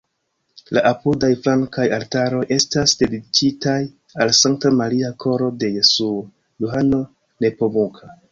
La apudaj flankaj altaroj estas dediĉitaj al Sankta Maria, Koro de Jesuo, Johano Nepomuka.